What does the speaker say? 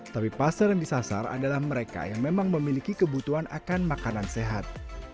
tapi pasar yang disasar adalah mereka yang memang memiliki kebutuhan akan makanan sehat